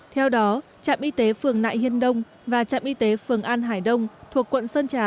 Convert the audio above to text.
theo đó trạm y tế phường nại hiên đông và trạm y tế phường an hải đông thuộc quận sơn trà